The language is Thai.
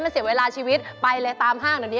มันเสียเวลาชีวิตไปเลยตามห้างเดี๋ยวนี้